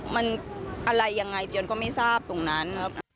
มันอะไรยังไงเจียนก็ไม่ทราบตรงนั้น